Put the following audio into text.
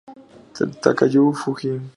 Takayuki Fujii